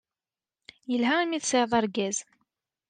Yelha imi tesɛiḍ argaz.